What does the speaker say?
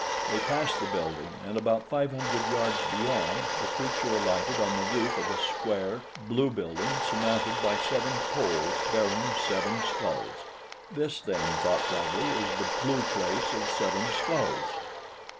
They passed the building and about five hundred yards beyond the creature alighted on the roof of a square, blue building surmounted by seven poles bearing seven skulls. This then, thought Bradley, is the Blue Place of Seven Skulls.